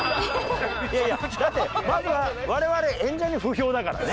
いやいやだって周りは我々演者に不評だからね。